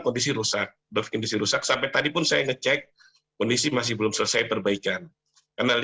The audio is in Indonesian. kondisi rusak sampai tadi pun saya ngecek kondisi masih belum selesai perbaikan karena